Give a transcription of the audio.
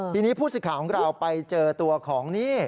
ทีนี้ผู้สิทธิ์ของเราไปเจอตัวของนี่